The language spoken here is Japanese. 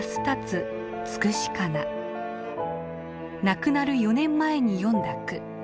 亡くなる４年前に詠んだ句。